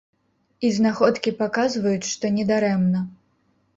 І знаходкі паказваюць, што недарэмна.